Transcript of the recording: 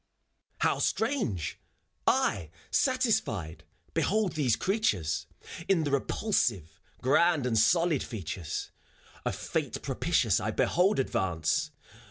FAUST (approaching). How strange! I, satisfied, behold these oreatores, In the Repulsive, grand and solid features: A fate propitious I behold advance.